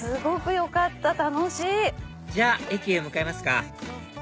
じゃあ駅へ向かいますか